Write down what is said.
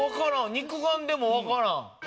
肉眼でもわからん。